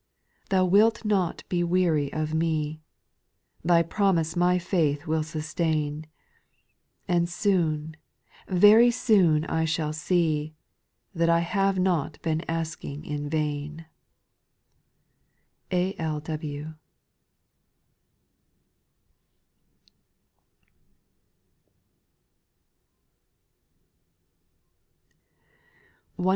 ; 7. ( Thou wilt not be weary of me, Thy promise my faith will sustain, And soon, very soon I shall see That I have not been asking in vain. A. L. W.